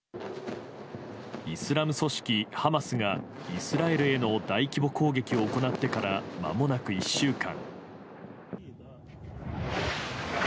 イスラム組織ハマスがイスラエルへの大規模攻撃を行ってから、まもなく１週間。